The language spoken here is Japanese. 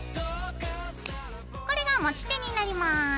これが持ち手になります。